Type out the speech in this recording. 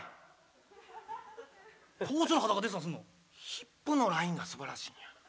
ヒップのラインが素晴らしいんや。